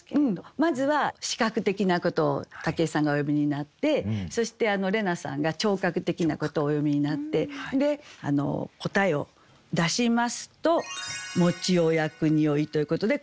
まずは視覚的なことを武井さんがお詠みになってそして怜奈さんが聴覚的なことをお詠みになってで答えを出しますと「を焼く匂ひ」ということでこれは嗅覚なんですね。